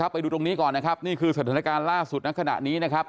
ไปดูตรงนี้ก่อนนะครับนี่คือสถานการณ์ล่าสุดในขณะนี้นะครับ